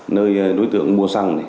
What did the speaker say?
nơi đối tượng mua xăng